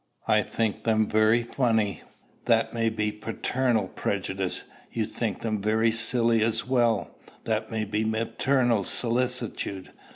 I think them very funny; that may be paternal prejudice: you think them very silly as well; that may be maternal solicitude.